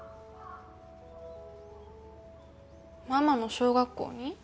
ママの小学校に？